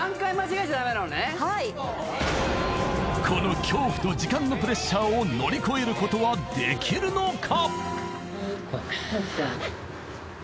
［この恐怖と時間のプレッシャーを乗り越えることはできるのか？］